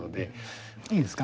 いいですか？